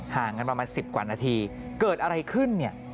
ห่างกันประมาณ๑๐กว่านาทีเกิดอะไรขึ้นเนี่ย